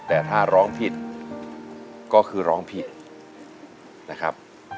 แต่ถ้าร้องผิดก็คือร้องผิดนะครับ